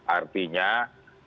artinya kita menyadari